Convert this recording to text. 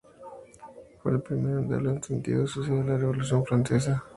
Fue el primero en darle un sentido social a la Revolución francesa.